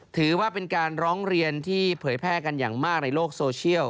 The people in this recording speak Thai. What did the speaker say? ถือว่าเป็นการร้องเรียนที่เผยแพร่กันอย่างมากในโลกโซเชียล